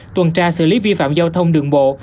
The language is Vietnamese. tuần tra xử lý vi phạm giao thông đường bộ